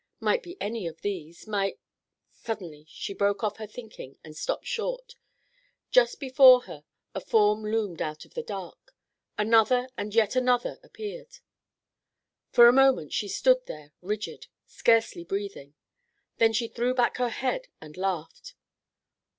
"Might be any of these. Might—" Suddenly she broke off her thinking and stopped short. Just before her a form loomed out of the dark. Another and yet another appeared. For a moment she stood there rigid, scarcely breathing. Then she threw back her head and laughed.